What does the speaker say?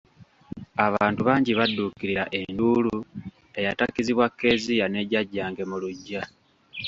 Abantu bangi badduukirira enduulu eyatakizibwa Kezia ne Jjajjange mu luggya.